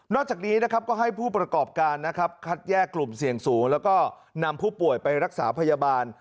จากนี้นะครับก็ให้ผู้ประกอบการนะครับคัดแยกกลุ่มเสี่ยงสูงแล้วก็นำผู้ป่วยไปรักษาพยาบาล